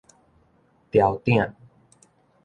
牢鼎